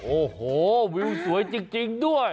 โอ้โหวิวสวยจริงด้วย